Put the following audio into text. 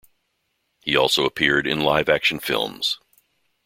He also appeared in live-action films.